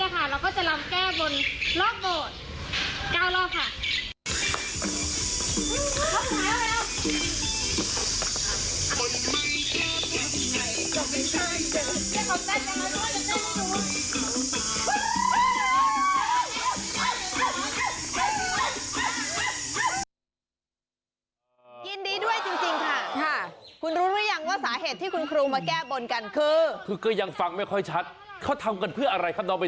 มาลำแก้โบนค่ะเนื่องจากเคยโบนไว้